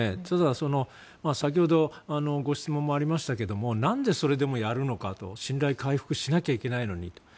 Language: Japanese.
ただ、先ほどご質問もありましたけど何でそれでもやるのかと信頼を回復しなきゃいけないのに。